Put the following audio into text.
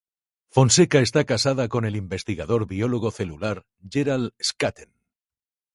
Fonseca está casada con el investigador biólogo celular Gerald Schatten.